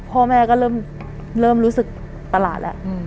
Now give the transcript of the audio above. พ่อแม่ก็เริ่มเริ่มรู้สึกประหลาดแล้วอืม